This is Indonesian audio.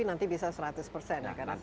nanti ke depannya tentu saja